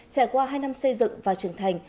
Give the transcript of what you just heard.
trải qua hai năm xây dựng và trưởng thành